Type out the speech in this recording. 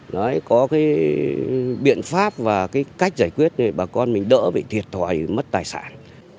đấy có cái biện pháp và cái cách giải quyết để bà con mình đỡ bị thiệt thòi mất tài sản